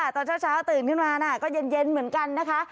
ตอนเช้าเช้าตื่นขึ้นมาน่ะก็เย็นเย็นเหมือนกันนะคะ